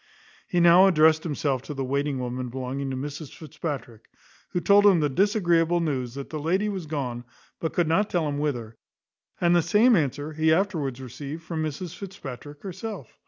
He now addressed himself to the waiting woman belonging to Mrs Fitzpatrick; who told him the disagreeable news that the lady was gone, but could not tell him whither; and the same answer he afterwards received from Mrs Fitzpatrick herself.